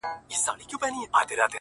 • که په ریشتیا وای د شنو زمریو -